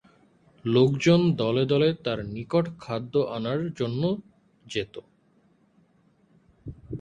লোকজন দলে দলে তার নিকট খাদ্য আনার জন্যে যেত।